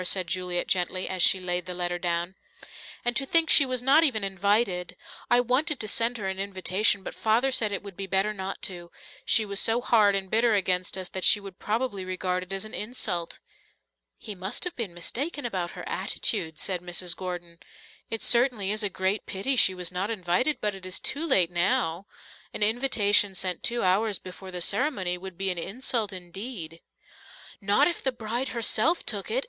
said Juliet gently, as she laid the letter down. "And to think she was not even invited! I wanted to send her an invitation, but Father said it would be better not to she was so hard and bitter against us that she would probably regard it as an insult." "He must have been mistaken about her attitude," said Mrs. Gordon. "It certainly is a great pity she was not invited, but it is too late now. An invitation sent two hours before the ceremony would be an insult indeed." "Not if the bride herself took it!"